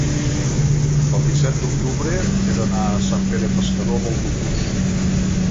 el disset d'octubre he d'anar a Sant Pere Pescador amb autobús.